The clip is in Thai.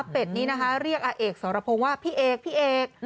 อเป็ดนี้เรียกอเอกสรพงศ์ว่าพี่เอก